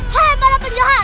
hai para penjahat